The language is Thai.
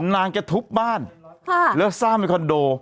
นางแกทุบบ้านแล้วสร้างเป็นคอนโด